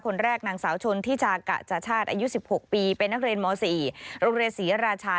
คนแรกนางสาวชนที่จากจชาติอายุสิบหกปีเป็นนักเรียนหมอสี่โรเลสีราชา